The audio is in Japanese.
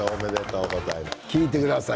聞いてください